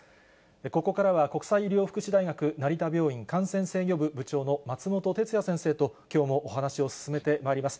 ここからは国際医療福祉大学成田病院感染制御部部長の松本哲哉先生ときょうもお話を進めてまいります。